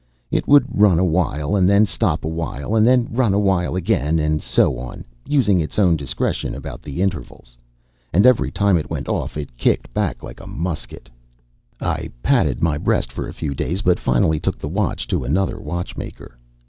It would run awhile and then stop awhile, and then run awhile again, and so on, using its own discretion about the intervals. And every time it went off it kicked back like a musket. I padded my breast for a few days, but finally took the watch to another watchmaker.